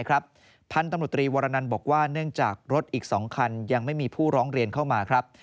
พันธุ์ตำรวจตรีวรนันบอกว่าเนื่องจากรถอีก๒คันยังไม่มีผู้ร้องเรียนเข้ามาครับ